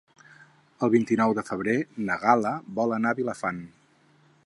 El vint-i-nou de febrer na Gal·la vol anar a Vilafant.